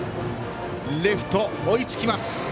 レフト、追いつきます。